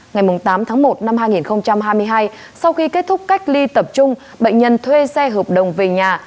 ngày tám tháng một năm hai nghìn hai mươi hai sau khi kết thúc cách ly tập trung bệnh nhân thuê xe hợp đồng về nhà